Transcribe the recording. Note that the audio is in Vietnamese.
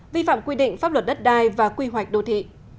vi phạm quy định pháp luật đất đai và quy hoạch đô thị